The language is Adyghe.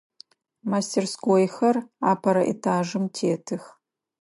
Мастерскойхэр апэрэ этажым тетых.